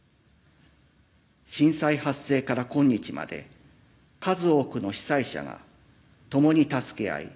震災発生から今日まで数多くの被災者が共に助け合い